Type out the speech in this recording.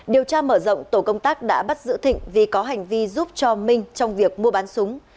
điều tra mở rộng tổ công tác đã bắt giữ thịnh vì có hành vi giúp cho minh trong việc mua bán súng